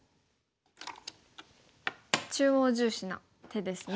中央重視な手ですね。